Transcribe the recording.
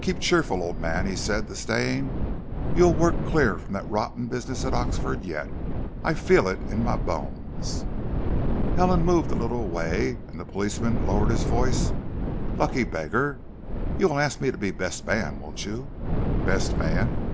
Keep cheerful, old man," he said to Stane. "You'll work clear of that rotten business at Oxford yet. I feel it in my bones." Helen moved a little away, and the policeman lowered his voice, "Lucky beggar! You'll ask me to be best man, won't you?" "Best man!"